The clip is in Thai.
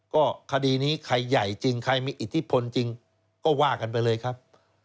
ก็คดีนี้ใครใหญ่จริงใครมีอิทธิพลจริงก็ว่ากันไปเลยครับ